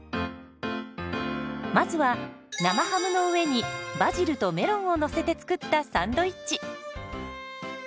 まずは生ハムの上にバジルとメロンをのせて作ったサンドイッチ。